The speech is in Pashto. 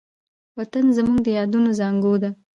وطن زموږ د یادونو زانګو ده.